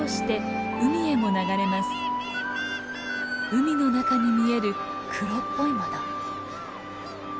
海の中に見える黒っぽいもの。